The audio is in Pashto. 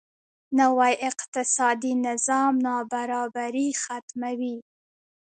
نوی اقتصادي نظام نابرابري ختموي.